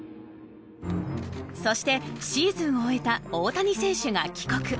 そしてシーズンを終えた大谷選手が帰国。